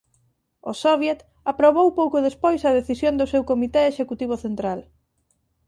O Soviet aprobou pouco despois a decisión do seu Comité Executivo Central.